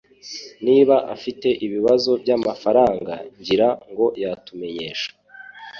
Niba afite ibibazo byamafaranga ngira ngo yatumenyesha